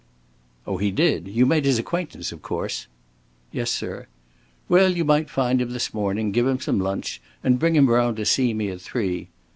"Oh, he did? You made his acquaintance, of course?" "Yes, sir." "Well, you might find him this morning, give him some lunch, and bring him round to see me at three.